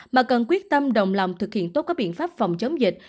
mà cần quyết tâm đồng lòng thực hiện tốt các biện pháp phòng chống dịch